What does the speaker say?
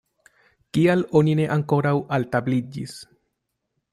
Kial oni ne ankoraŭ altabliĝis?